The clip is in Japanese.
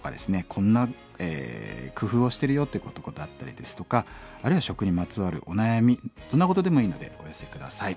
こんな工夫をしてるよってことだったりですとかあるいは食にまつわるお悩みどんなことでもいいのでお寄せ下さい。